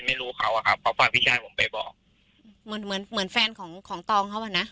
ไม่รู้เขาฝากพี่ชายผมไปบอกเหมือนเหมือนแฟนของของตองเขาป่ะนะ